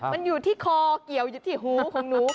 มันอยู่ที่คอเกี่ยวอยู่ที่หูของหนู